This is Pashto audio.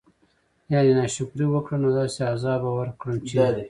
يعني نا شکري وکړه نو داسي عذاب به ورکړم چې